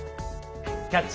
「キャッチ！